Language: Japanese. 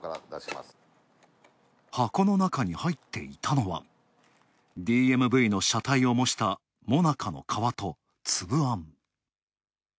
箱の中に入っていたのはＤＭＶの車体を模したモナカの皮とつぶあん。